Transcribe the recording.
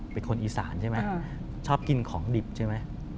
เป็นคนอีสานใช่ไหมชอบกินของดิบใช่ไหม